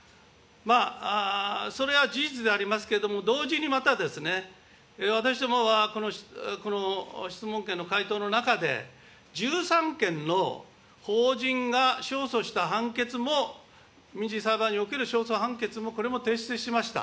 それは事実でありますけれども、同時にまたですね、私どもはこの質問権の回答の中で、１３件の法人が勝訴した判決も、民事裁判における勝訴判決も、これも提出しました。